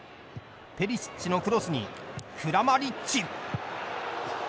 ペリシッチのクロスにクラマリッチ。